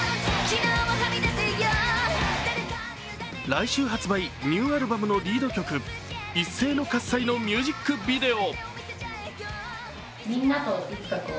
来週発売ニューアルバムのリード曲「一斉ノ喝采」のミュージックビデオ。